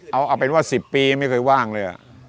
เอาเป็นว่า๑๐ปีไม่เคยว่างเลย